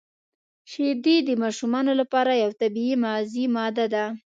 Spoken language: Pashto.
• شیدې د ماشومانو لپاره یو طبیعي مغذي ماده ده.